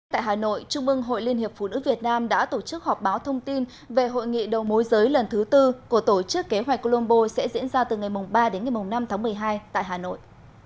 tại hà nội trung ương hội liên hiệp phụ nữ việt nam đã tổ chức họp báo thông tin về hội nghị đầu mối giới lần thứ tư của tổ chức kế hoạch colombo sẽ diễn ra từ ngày ba đến ngày năm tháng một mươi hai tại hà nội